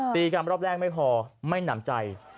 ตีกันรอบแรกไม่พอไม่หนำใจ